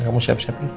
kamu siap siap ya